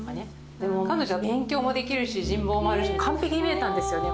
でも彼女は勉強もできるし人望もあるし完璧に見えたんですよね。